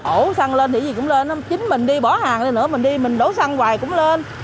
ổ xăng lên thì gì cũng lên chính mình đi bỏ hàng đi nữa mình đi mình đổ xăng hoài cũng lên